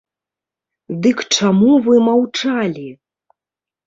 Дык чаму вы маўчалі?